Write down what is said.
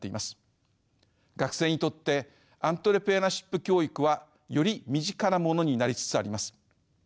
学生にとってアントレプレナーシップ教育はより身近なものになりつつあります。